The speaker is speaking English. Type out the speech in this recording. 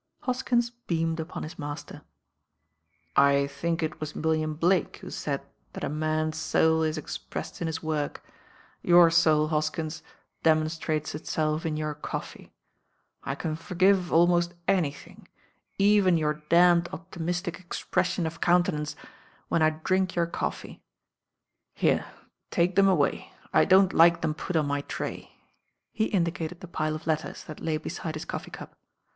Hoskins beamed upon his master. "I think it was William Blake who said that a man s soul is expressed in his work. Your soul, Hoskms, demonstrates itself in your coffee. I can forgive ahnost anything, even your damned opti THE RAm OIRL miitic exprewion of countenance, when I drinK your coffee. Here, take them away, I don't like them put on my tray," he indicated the pile of letters that lay beside hit coffee cup.